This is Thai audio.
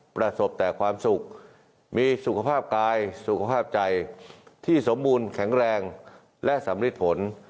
ประสบแต่ความสุขมีสุขภาพกายสุขภาพใจที่สมบูรณ์แข็งแรงและสำริดผล